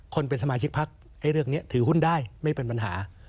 คนเป็นสมาชิกพักเรื่องนี้ถือหุ้นได้ไม่เป็นปัญหา